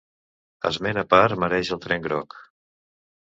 Esment a part mereix el Tren Groc.